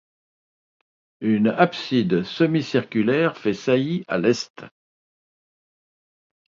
Une abside semi-circulaire fait saillie à l'est.